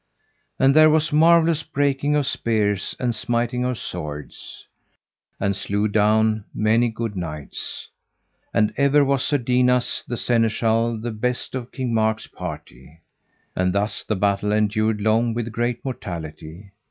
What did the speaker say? And there was marvellous breaking of spears and smiting of swords, and slew down many good knights. And ever was Sir Dinas the Seneschal the best of King Mark's party. And thus the battle endured long with great mortality.